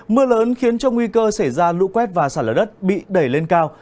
mưa lớn khiến cho nguy cơ xảy ra lũ quét và xả lở đất bị đẩy lên cao